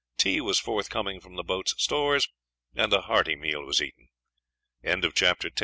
Tea was forthcoming from the boats' stores, and a hearty meal was eaten. CHAPTER XI.